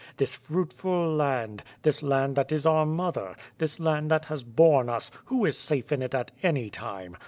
This fruitful land; this land that is our mother; this land that has borne us: who is safe in it at any time?